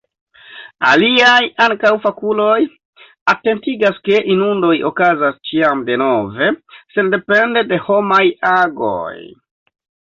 Aliaj, ankaŭ fakuloj, atentigas ke inundoj okazas ĉiam denove, sendepende de homaj agoj.